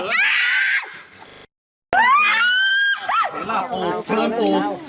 เชิญปู่